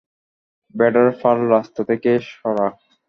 ভেড়ার পাল রাস্তা থেকে সরা।